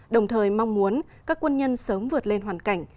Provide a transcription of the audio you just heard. đồng thời mong muốn các quân nhân sớm vượt lên hoàn cảnh